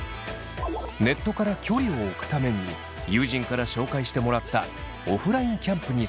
ネットから距離をおくために友人から紹介してもらったオフラインキャンプに参加します。